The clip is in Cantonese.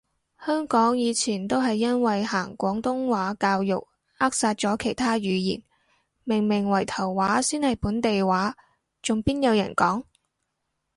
香港以前都係因為行廣東話教育扼殺咗其他語言，明明圍頭話先係本地話，仲邊有人講？